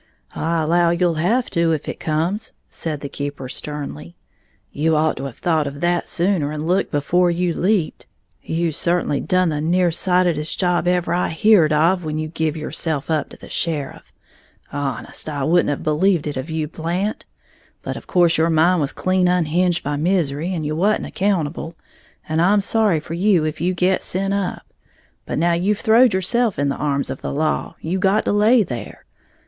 "I allow you'll have to, if it comes," said the keeper, sternly. "You'd ought to have thought of that sooner, and looked before you leaped. You certainly done the nearsightedest job ever I heared of when you give yourself up to the sheriff, honest, I wouldn't have believed it of you, Blant, but of course your mind was clean unhinged by misery, and you wa'n't accountable. And I'm sorry for you if you get sent up. But now you've throwed yourself in the arms of the law, you got to lay there.